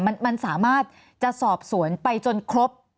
มันสามารถจะสอบสวนไปจนครบ